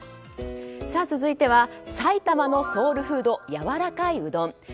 続いては埼玉のソウルフードやわらかいうどん。